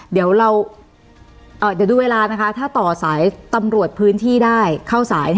เดี๋ยวเราเดี๋ยวดูเวลานะคะถ้าต่อสายตำรวจพื้นที่ได้เข้าสาย